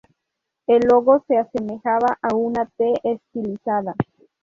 El logo se asemejaba a una T estilizada.